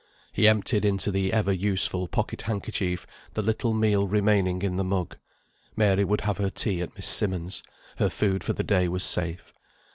He emptied into the ever useful pocket handkerchief the little meal remaining in the mug. Mary would have her tea at Miss Simmonds'; her food for the day was safe.